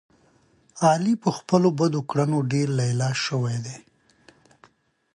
علي په خپلو بدو کړنو ډېر لیله شو دی.